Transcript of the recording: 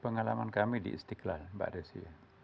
pengalaman kami diistiklal mbak desi